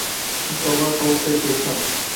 Tun tobora tovusday koʼrkam